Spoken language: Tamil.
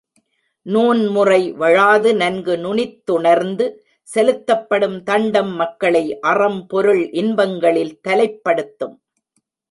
நூன்முறை வழாது நன்கு நுனித்துணர்ந்து செலுத்தப்படும் தண்டம் மக்களை அறம் பொருள் இன்பங்களில் தலைப்படுத்தும்.